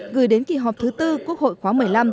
gửi đến kỳ họp thứ tư quốc hội khóa một mươi năm